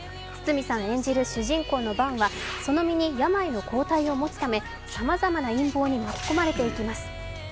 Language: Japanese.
堤さん演じる主人公のヴァンはその身に病の抗体を持つためさまざまな陰謀に巻き込まれていきます。